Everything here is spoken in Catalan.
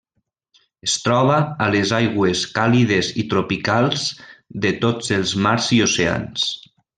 Es troba a les aigües càlides i tropicals de tots els mars i oceans.